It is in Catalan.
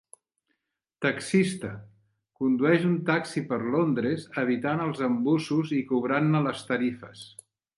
"Taxista" - Condueix un taxi per Londres, evitant els embussos i cobrant-ne les tarifes.